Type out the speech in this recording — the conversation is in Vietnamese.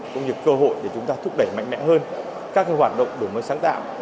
cũng như cơ hội để chúng ta thúc đẩy mạnh mẽ hơn các hoạt động đổi mới sáng tạo